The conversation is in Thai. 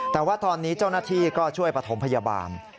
แต่ว่าตอนนี้เจ้าหน้าที่ก็ช่วยประถมพยาบาล